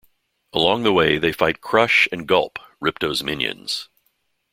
Along the way, They fight Crush and Gulp, Ripto's minions.